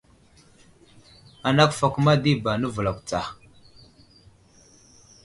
Ana kəfakuma di ba nəvəlakw tsa.